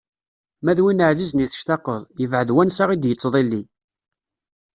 Ma d win ɛzizen i tectaqeḍ, yebɛed wansa i d-yettḍilli.